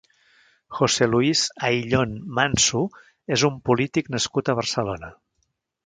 José Luis Ayllón Manso és un polític nascut a Barcelona.